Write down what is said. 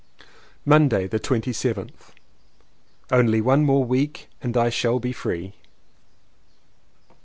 Monday the 27th. Only one more week and I shall be free!